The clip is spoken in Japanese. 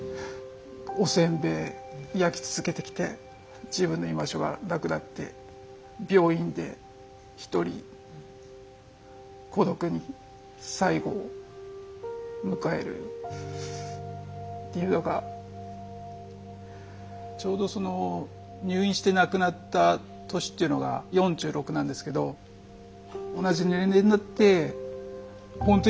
おせんべい焼き続けてきて自分の居場所がなくなって病院で一人孤独に最期を迎えるっていうのがちょうどその入院して亡くなった年っていうのが４６なんですけど同じ年齢になってほんと